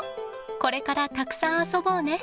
これからたくさん遊ぼうね。